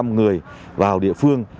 một trăm linh người vào địa phương